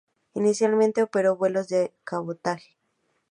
Inicialmente operó vuelos de cabotaje.